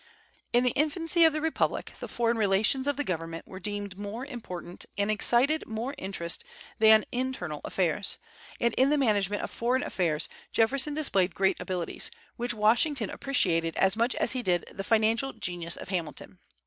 In the infancy of the republic the foreign relations of the government were deemed more important and excited more interest than internal affairs, and in the management of foreign affairs Jefferson displayed great abilities, which Washington appreciated as much as he did the financial genius of Hamilton.